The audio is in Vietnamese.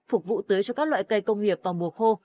phục vụ tưới cho các loại cây công nghiệp vào mùa khô